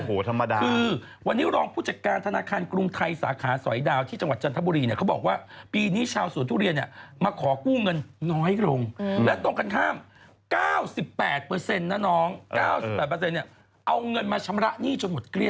ขอแสดงความยินดีความใหญ่โดนโดนตัวหน้ากับคุณเลย